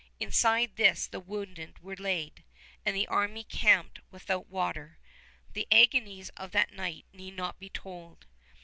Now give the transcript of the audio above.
Inside this the wounded were laid, and the army camped without water. The agonies of that night need not be told.